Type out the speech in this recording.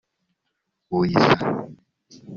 ‘Buyisa’